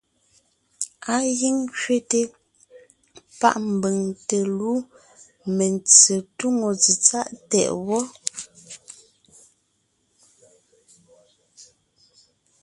Á gíŋ ńkẅéte páʼ mbʉ̀ŋ te lú mentse túŋo tsetsáʼ tɛʼ wɔ́.